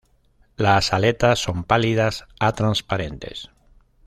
Las aletas son pálidas a transparentes.